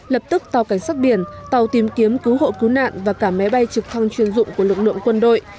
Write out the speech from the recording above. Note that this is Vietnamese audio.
lập tức tàu cảnh sát biển tàu tìm kiếm cứu hộ cứu nạn và cả máy bay trực thăng chuyên dụng của lực lượng quân đội